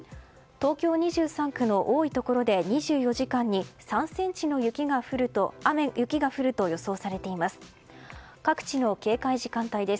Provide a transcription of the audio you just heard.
東京２３区の多いところで２４時間に３ｃｍの雪が降ると予想されています。